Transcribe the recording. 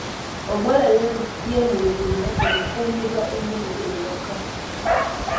Omuwala yeemulugunya ku kummibwa emmere ewaka.